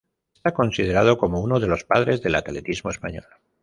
Está considerado como uno de los padres del atletismo español.